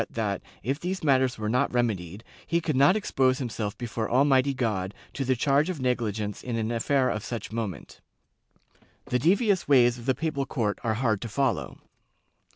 Chap I] INQUISITION OF PORTUGAL 251 that, if these matters were not remedied, he could not expose himself before Almighty God to the charge of negUgence in an affair of such moment/ The devious ways of the papal court are hard to follow.